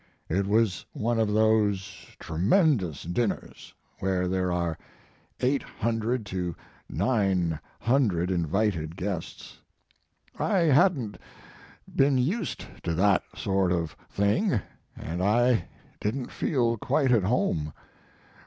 It was one of those tremendous dinners where there are eight hundred to nine hundred invited guests. I hadn t His Life and Work. 115 been used to that sort of thing, and I didn t feel quite at home.